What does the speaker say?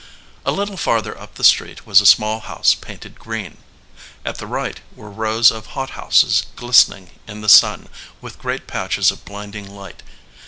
A little farther up the street was a small house painted green; at the right were rows of hothouses glistening in the sun with great patches of blinding light.